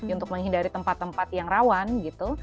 untuk menghindari tempat tempat yang rawan gitu